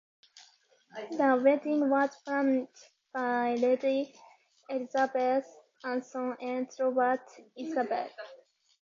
The wedding was planned by Lady Elizabeth Anson and Robert Isabell.